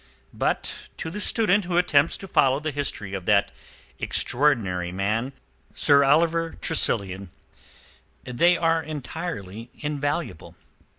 But to the student who attempts to follow the history of that extraordinary man, Sir Oliver Tressilian, they are entirely invaluable.